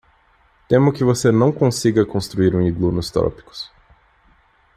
Temo que você não consiga construir um iglu nos trópicos.